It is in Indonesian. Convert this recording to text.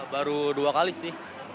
baru dua kali sih